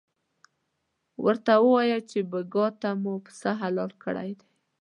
ورته ووایه چې بېګاه ته مو پسه حلال کړی دی.